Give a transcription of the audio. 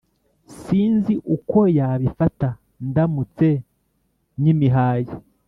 sinzi uko yabifata ndamutse nyimihaye